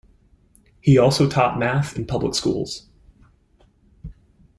He also taught math in public schools.